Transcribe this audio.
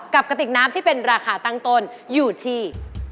กระติกน้ำที่เป็นราคาตั้งต้นอยู่ที่